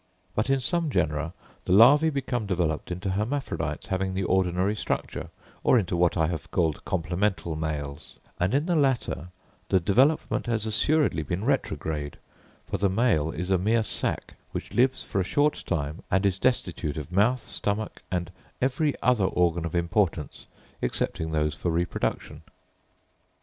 But in some genera the larvæ become developed into hermaphrodites having the ordinary structure, or into what I have called complemental males; and in the latter the development has assuredly been retrograde; for the male is a mere sack, which lives for a short time and is destitute of mouth, stomach, and every other organ of importance, excepting those for reproduction.